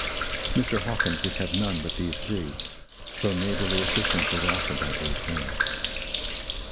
Mr. Hawkins would have none but these three, though neighborly assistance was offered by old friends.